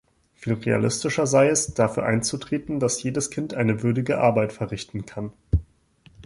Viel realistischer sei es, dafür einzutreten, dass jedes Kind eine würdige Arbeit verrichten kann.